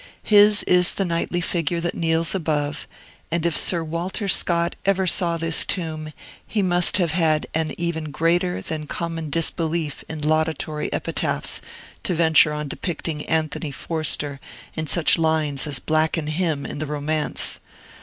His is the knightly figure that kneels above; and if Sir Walter Scott ever saw this tomb, he must have had an even greater than common disbelief in laudatory epitaphs, to venture on depicting Anthony Forster in such lines as blacken him in the romance.